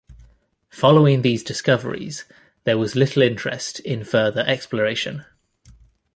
Following these discoveries there was little interest in further exploration.